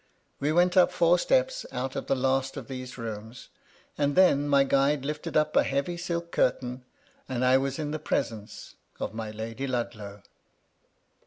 We went up four steps out of the last of these rooms, and then my guide lifted up a heavy silk curtain, and I was in the presence of my Lady Ludlow.